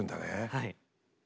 はい。